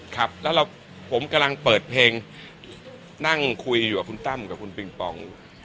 ครับแล้วผมกำลังเปิดเพลงนั่งคุยอยู่กับคุณตั้มกับคุณปิงปอง